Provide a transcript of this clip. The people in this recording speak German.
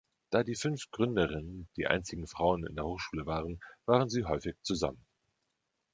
Da die fünf Gründerinnen die einzigen Frauen in der Hochschule waren, waren sie häufig zusammen.